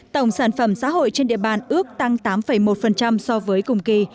tổng sản phẩm xã hội trên địa bàn ước tăng tám một so với cùng kỳ